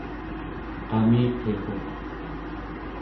qamiqiquq